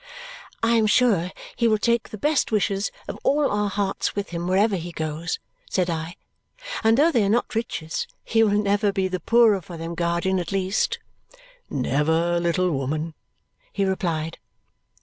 "I am sure he will take the best wishes of all our hearts with him wherever he goes," said I; "and though they are not riches, he will never be the poorer for them, guardian, at least." "Never, little woman," he replied.